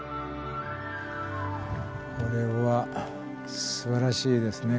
これはすばらしいですね。